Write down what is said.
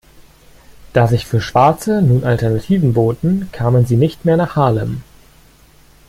Da sich für Schwarze nun Alternativen boten, kamen sie nicht mehr nach Harlem.